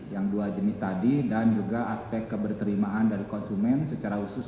yang dua jenis tadi dan juga aspek keberterimaan dari konsumen secara khusus